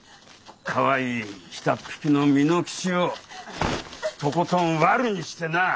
かわいい下っ引きの蓑吉をとことんワルにしてなぁ！